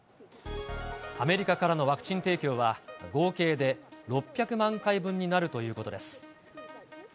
アメリカからのワクチン提供は、合計で６００万回分になるということです。